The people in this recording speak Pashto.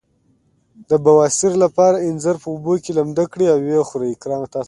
د بواسیر لپاره انځر په اوبو کې لمد کړئ او وخورئ